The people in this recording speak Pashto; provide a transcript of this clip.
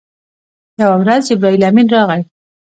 یوه ورځ جبرائیل امین راغی.